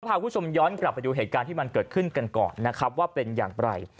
พาคุณผู้ชมย้อนกลับไปดูเหตุการณ์ที่มันเกิดขึ้นกันก่อนนะครับว่าเป็นอย่างไร